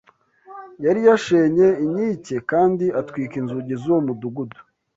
yari yashenye inkike kandi atwika inzugi z’uwo mudugudu